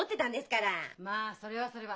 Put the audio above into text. ・まあそれはそれは！